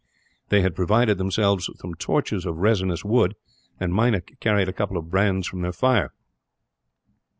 They had provided themselves with some torches of resinous wood, and Meinik carried a couple of brands from their fire.